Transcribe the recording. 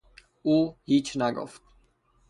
او هیچ نگفت.